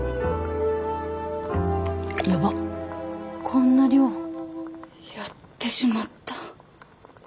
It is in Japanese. こんな量やってしまった。